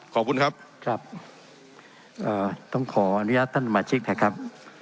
ขอบคุณครับครับเอ่อต้องขออนุญาตท่านต่อมาชิกแทนครับ